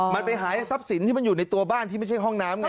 มันไปหาทรัพย์สินที่มันอยู่ในตัวบ้านที่ไม่ใช่ห้องน้ำไง